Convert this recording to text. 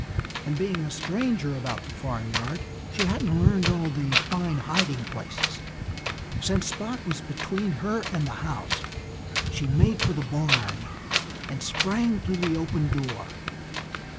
And being a stranger about the farmyard, she hadn't learned all the fine hiding places. Since Spot was between her and the house, she made for the barn and sprang through the open door.